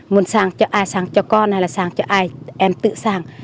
muốn sang cho ai sang cho con hay là sang cho ai em tự sang